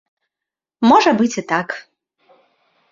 Можа быць і так.